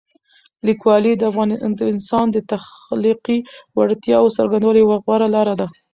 لیکوالی د انسان د تخلیقي وړتیاوو څرګندولو یوه غوره لاره ده.